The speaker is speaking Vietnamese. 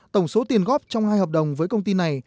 tổng số tiền góp trong hai hợp đồng với công ty này